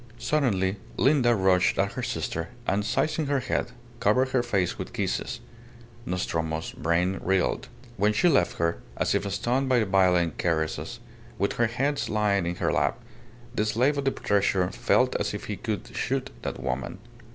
Suddenly Linda rushed at her sister, and seizing her head, covered her face with kisses. Nostromo's brain reeled. When she left her, as if stunned by the violent caresses, with her hands lying in her lap, the slave of the treasure felt as if he could shoot that woman.